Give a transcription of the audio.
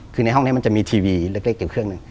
คือในห้องนี้มันจะมีทีวีเล็กอยู่เครื่องหนึ่ง